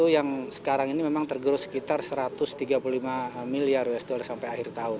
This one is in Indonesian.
yang sekarang ini memang tergerus sekitar satu ratus tiga puluh lima miliar usd sampai akhir tahun